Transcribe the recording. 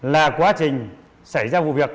là quá trình xảy ra vụ việc